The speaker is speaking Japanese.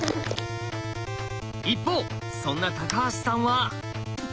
一方そんな橋さんは。